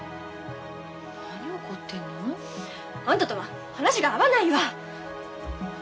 何怒ってんの？あんたとは話が合わないわ。